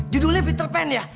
judulnya peter pan ya